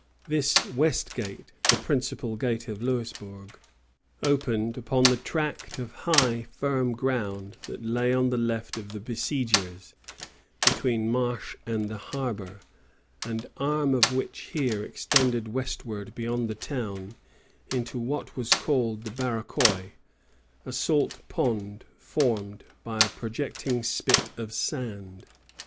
This West Gate, the principal gate of Louisbourg, opened upon the tract of high, firm ground that lay on the left of the besiegers, between the marsh and the harbor, an arm of which here extended westward beyond the town, into what was called the Barachois, a salt pond formed by a projecting spit of sand.